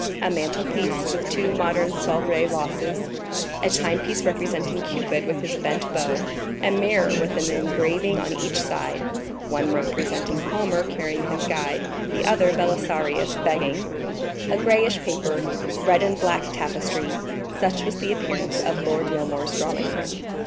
A mantle piece, with two modern Sèvres vases, a timepiece representing Cupid with his bent bow, a mirror with an engraving on each side—one representing Homer carrying his guide, the other, Belisarius begging—a grayish paper; red and black tapestry—such was the appearance of Lord Wilmore's drawing room.